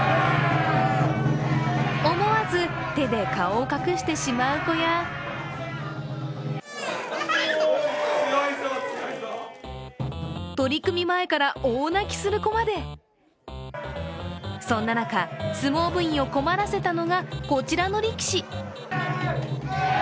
思わず手で顔を隠してしまう子や取り組み前から大泣きする子までそんな中、相撲部員を困らせたのがこちらの力士。